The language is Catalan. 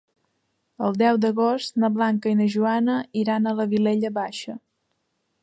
El deu d'agost na Blanca i na Joana iran a la Vilella Baixa.